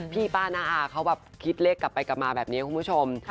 พี่ป้านอ่าเขาจะคิดเลขกลับกับมาแบบเนี้ยคุณผู้ชม